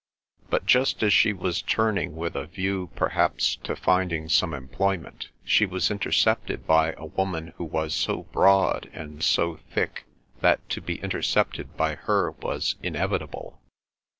But just as she was turning with a view perhaps to finding some employment, she was intercepted by a woman who was so broad and so thick that to be intercepted by her was inevitable.